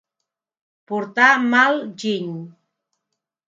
Portar mal giny.